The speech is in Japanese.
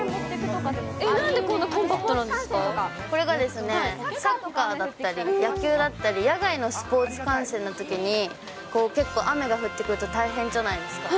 なんでこんなコンパクトなんこれがですね、サッカーだったり、野球だったり、野外のスポーツ観戦のときに、結構、雨が降ってくると、大変じゃないですか。